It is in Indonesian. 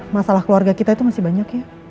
masalah keluarga kita itu masih banyak ya